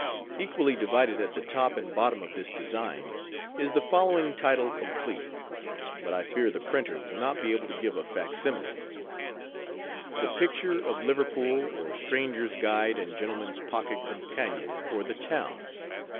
Equally divided at the top and bottom of this design, is the following title complete; but I fear the printer will not be able to give a facsimile:— _The Picture of Liverpool: or, Stranger's Guide and Gentleman's Pocket Companion _ FOR THE TOWN.